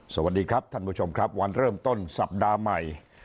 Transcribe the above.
สวัสดีครับท่านผู้ชมครับวันเริ่มต้นสัปดาห์ใหม่